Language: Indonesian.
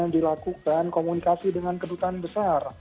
dilakukan komunikasi dengan kedutaan besar